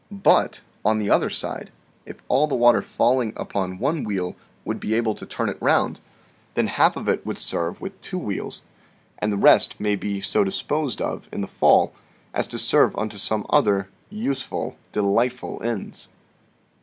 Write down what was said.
Fig. 10. "But, on the other side, if all the water falling upon one wheel would be able to turn it round, then half of it would serve with two wheels, and the rest may be so disposed of in the fall as to serve unto some other useful, delightful ends.